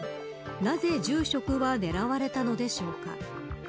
なぜ住職は狙われたのでしょうか。